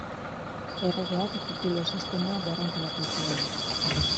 Erregeak, titulu sistema berrantolatu zuen.